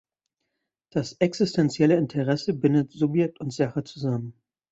Das existentielle Interesse bindet Subjekt und Sache zusammen.